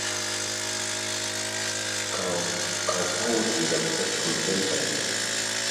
Cowperwood is unfaithful many times.